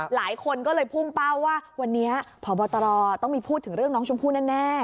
หลายคนก็เลยพุ่งเป้าว่าวันนี้พบตรต้องมีพูดถึงเรื่องน้องชมพู่แน่